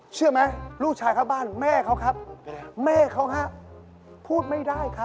เชื่อไหมตอนแรกพูดได้แค่